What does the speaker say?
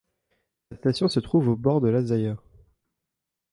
La station se trouve au bord de la Zaya.